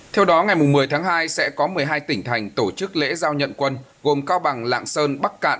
theo đó ngày một mươi tháng hai sẽ có một mươi hai tỉnh thành tổ chức lễ giao nhận quân gồm cao bằng lạng sơn bắc cạn